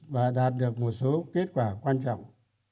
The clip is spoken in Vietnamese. và đạt được một số kết quả quan trọng